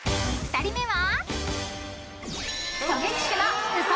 ［４人目は］